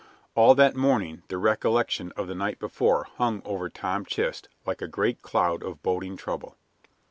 All that morning the recollection of the night before hung over Tom Chist like a great cloud of boding trouble.